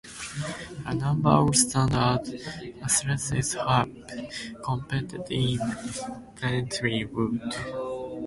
A number of stand out athletes have competed in Plentywood.